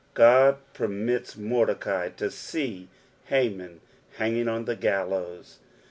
God permits Mordecai to sec Haman hanging; on the gallows.